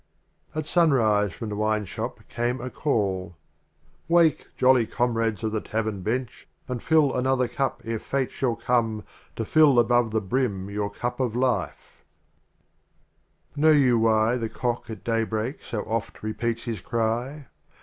ii. At Sunrise from the Wineshop came a call: "Wake ! jolly Comrades of the Tav ern Bench, And fill another Cup ere Fate shall come To fill above the brim your Cup of Life." 49 The Literal In * Omar Know you why the Cock at Day break so oft repeats his cry?